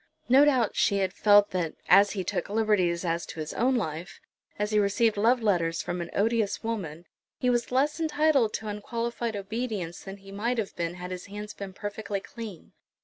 No doubt she had felt that as he took liberties as to his own life, as he received love letters from an odious woman, he was less entitled to unqualified obedience than he might have been had his hands been perfectly clean.